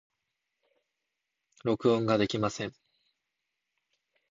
録音ができません。